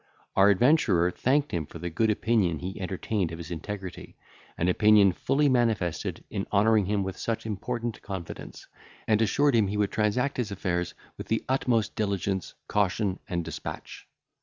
Our adventurer thanked him for the good opinion he entertained of his integrity, an opinion fully manifested in honouring him with such important confidence, and assured him he would transact his affairs with the utmost diligence, caution, and despatch.